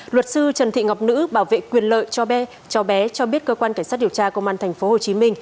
luật sư trần thị ngọc nữ bảo vệ quyền lợi cho bé cháu bé cho biết cơ quan cảnh sát điều tra công an tp hcm